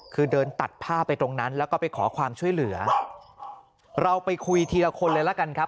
คือเดินตัดผ้าไปตรงนั้นแล้วก็ไปขอความช่วยเหลือเราไปคุยทีละคนเลยละกันครับ